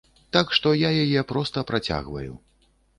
Так што я яе проста працягваю.